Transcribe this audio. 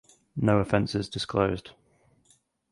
No offences disclosed.